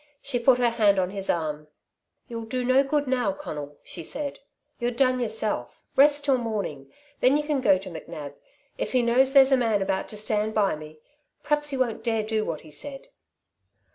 She put her hand on his arm. "You'll do no good now, Conal," she said. "You're done yourself. Rest till morning. Then you can go to McNab. If he knows there's a man about to stand by me, p'raps he won't dare to do what he said."